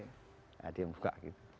nah dia buka gitu